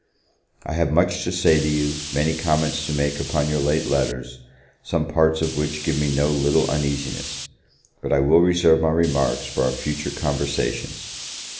I have much to say to you, many comments to make upon your late letters, some parts of which give me no little uneasiness; but I will reserve my remarks for our future conversations.